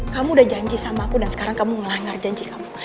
kamu udah janji sama aku dan sekarang kamu melanggar janji kamu